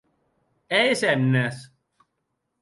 E es hemnes?